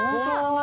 何？